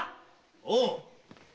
おう！